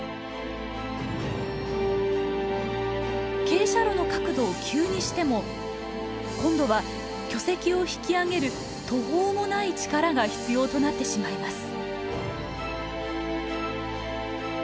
傾斜路の角度を急にしても今度は巨石を引き上げる途方もない力が必要となってしまいます。